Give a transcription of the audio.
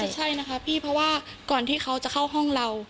ใช่นะคะพี่เพราะว่าก่อนที่เขาจะเข้าห้องเรา